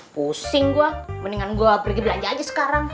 pusing gua mendingan gua pergi belajar aja sekarang